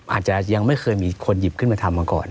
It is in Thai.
อาจจะยังไม่เคยมีคนหยิบขึ้นมาทำมาก่อน